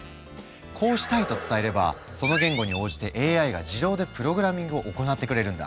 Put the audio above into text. こうしたいと伝えればその言語に応じてＡＩが自動でプログラミングを行ってくれるんだ。